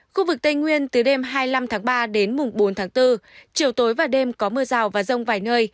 khu vực tây nguyên từ đêm hai mươi năm tháng ba đến mùng bốn tháng bốn chiều tối và đêm có mưa rào và rông vài nơi